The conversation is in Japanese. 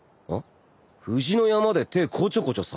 藤の山で手ぇこちょこちょされただろ？